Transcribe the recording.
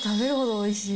おいしい！